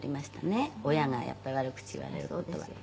親がやっぱり悪口言われるっていう事は」